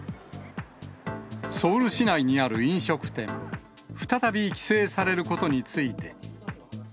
ソウル市内にある飲食店、再び規制されることについて。